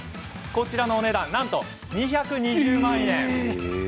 こちらのお値段は、なんと２２０万円！